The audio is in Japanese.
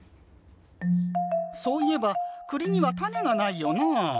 そういえば、くりには種がないよなぁ。